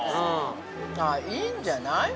いいんじゃない？